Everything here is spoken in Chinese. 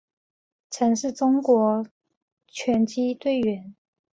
曾是中国拳击队员。